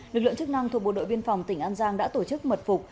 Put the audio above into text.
lực lượng chức năng thuộc bộ đội biên phòng tỉnh an giang đã tổ chức mật phục